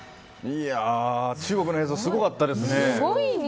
中国の映像、すごかったですね。